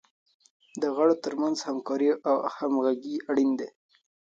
د غړو تر منځ همکاري او همغږي اړین دی.